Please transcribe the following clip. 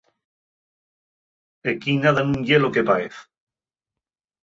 Equí nada nun ye lo que paez.